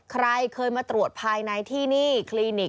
ใครเคยมาตรวจภายในที่นี่